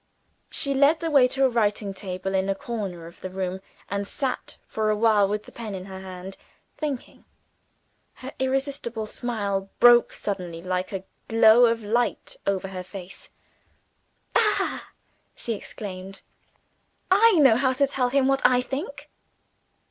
She led the way to a writing table in a corner of the room, and sat for awhile with the pen in her hand, thinking. Her irresistible smile broke suddenly like a glow of light over her "Ah!" she exclaimed, "I know how to tell him what I think."